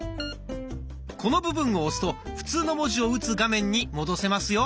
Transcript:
この部分を押すと普通の文字を打つ画面に戻せますよ。